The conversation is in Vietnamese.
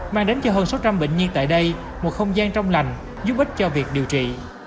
mang đến cho hơn sáu trăm linh bệnh nhiên tại đây một không gian trong lành giúp ích cho việc điều trị